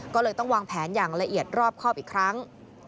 ก็เลยต้องวางแผนอย่างละเอียดรอบครอบอีกครั้ง